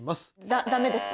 だ駄目です。